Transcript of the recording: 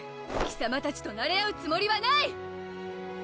貴様たちとなれ合うつもりはない！